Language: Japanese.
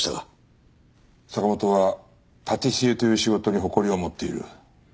坂元はパティシエという仕事に誇りを持っている。